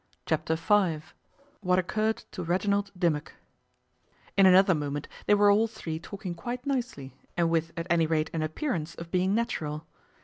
Chapter Five WHAT OCCURRED TO REGINALD DIMMOCK IN another moment they were all three talking quite nicely, and with at any rate an appearance of being natural.